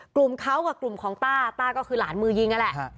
กลุ่มเขากับกลุ่มของต้าต้าก็คือหลานมือยิงนั่นแหละ